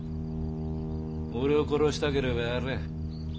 俺を殺したければやれ。